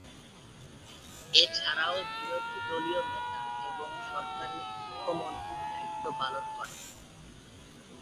এছাড়াও বিরোধী দলীয় নেতা এবং সহকারী মুখ্যমন্ত্রীর দায়িত্ব পালন করেন।